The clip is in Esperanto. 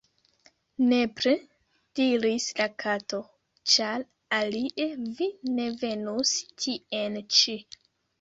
"Nepre," diris la Kato, "ĉar alie vi ne venus tien ĉi."